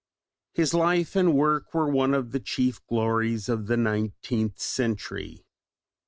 His life and work were one of the chief glories of the nineteenth century.